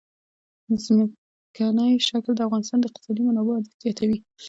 ځمکنی شکل د افغانستان د اقتصادي منابعو ارزښت زیاتوي.